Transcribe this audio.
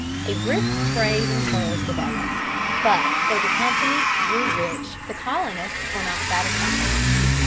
A brisk trade in furs developed, but though the Company grew rich, the colonists were not satisfied.